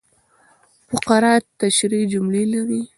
فقره تشریحي جملې لري.